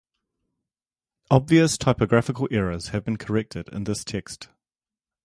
Obvious typographical errors have been corrected in this text.